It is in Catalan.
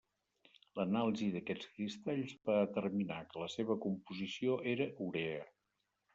L'anàlisi d'aquests cristalls va determinar que la seva composició era urea.